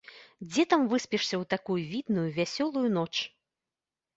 Дзе там выспішся ў такую відную вясёлую ноч?!